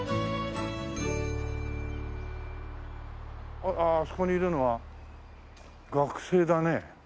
あそこにいるのは学生だね。